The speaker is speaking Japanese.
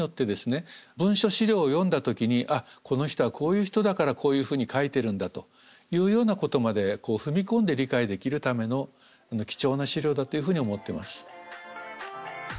文書史料を読んだ時にあっこの人はこういう人だからこういうふうに書いてるんだというようなことまで踏み込んで理解できるための貴重な史料だというふうに思ってます。